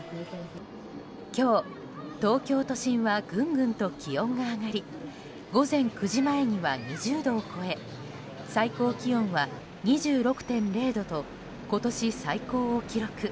今日、東京都心はぐんぐんと気温が上がり午前９時前には２０度を超え最高気温は２６．０度と今年最高を記録。